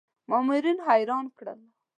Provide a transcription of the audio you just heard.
مامورین حیران کړل.